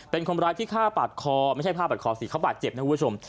เป็นคนร้ายที่ฆ่าปาดคอไม่ใช่ผ้าปาดคอสิเขาบาดเจ็บนะคุณผู้ชม